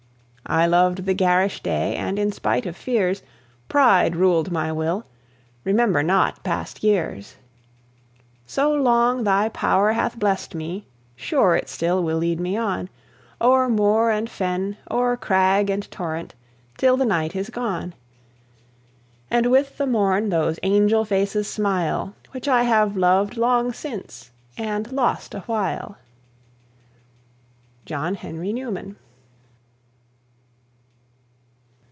I loved the garish day; and, spite of fears, Pride ruled my will: remember not past years. So long Thy power hath blest me, sure it still Will lead me on O'er moor and fen, o'er crag and torrent, till The night is gone, And with the morn those angel faces smile, Which I have loved long since, and lost a while. JOHN HENRY NEWMAN.